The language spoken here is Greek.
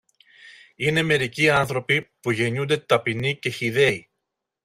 Είναι μερικοί άνθρωποι που γεννιούνται ταπεινοί και χυδαίοι.